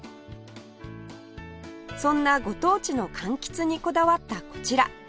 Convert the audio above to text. そんなご当地の柑橘にこだわったこちら